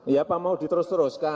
ya apa mau diterus teruskan